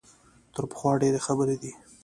تر پخوا ډېرې خبرې دي.